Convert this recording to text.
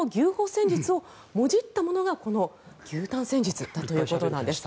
戦術をもじったものがこの牛タン戦術ということなんです。